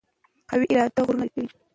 قوي اراده غرونه سوري کوي.